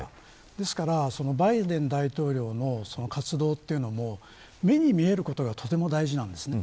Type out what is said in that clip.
ですからバイデン大統領の活動というのも目に見えることがとても大事なんですね。